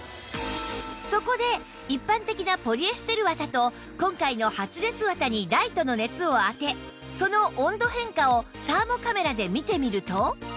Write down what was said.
そこで一般的なポリエステル綿と今回の発熱綿にライトの熱を当てその温度変化をサーモカメラで見てみると